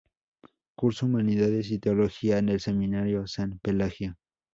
Cursó humanidades y teología en el seminario San Pelagio.